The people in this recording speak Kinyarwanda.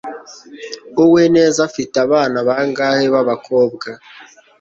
Uwineza afite abana bangahe babakobwa